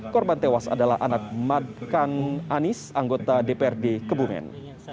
korban tewas adalah anak madkan anis anggota dprd kebumen